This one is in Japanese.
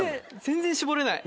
全然絞れない。